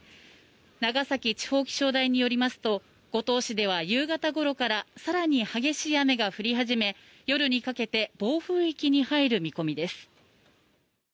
長崎地方気象台によりますと五島市では夕方ごろから更に激しい雨が降り始め夜にかけて暴風域に入る見込みです。